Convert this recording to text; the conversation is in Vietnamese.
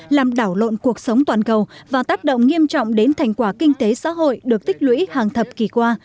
làm đảo lộn cuộc sống toàn cầu và tác động nghiêm trọng đến thành quả kinh tế xã hội được tích lũy hàng thập kỷ qua